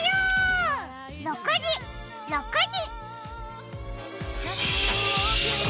６時、６時。